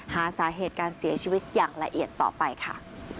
หาสาเหตุการเสียชีวิตอย่างละเอียดต่อไปค่ะ